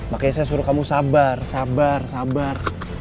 makanya saya suruh kamu sabar sabar sabar